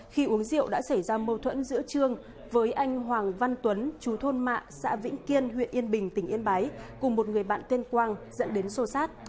khi uống rượu đã xảy ra mâu thuẫn giữa trương với anh hoàng văn tuấn chú thôn mạ xã vĩnh kiên huyện yên bình tỉnh yên bái cùng một người bạn tên quang dẫn đến sô sát